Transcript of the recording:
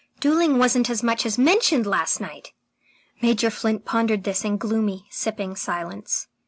Duelling wasn't as much as mentioned last night." Major Flint pondered this in gloomy, sipping silence.